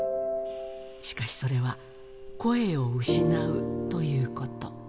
しかしそれは、声を失うということ。